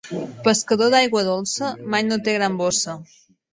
Pescador d'aigua dolça mai no té gran bossa.